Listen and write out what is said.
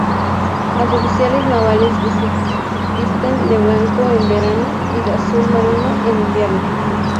Los oficiales navales visten de blanco en verano y de azul marino en invierno.